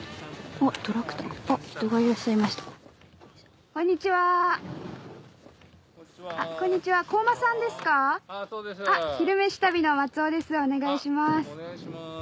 お願いします。